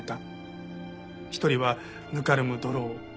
「一人はぬかるむ泥を。